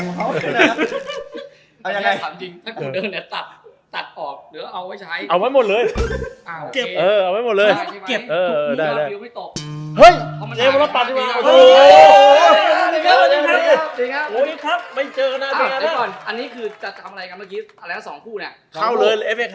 อันนี้คือจะทำอะไรกันเมื่อกี้